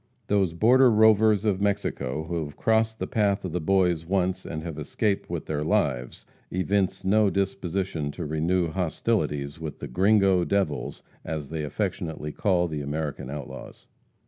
Those border rovers of Mexico who have crossed the path of the boys once and have escaped with their lives, evince no disposition to renew hostilities with the "gringo devils," as they affectionately call the American outlaws.